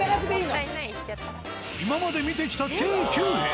今まで見てきた計９部屋。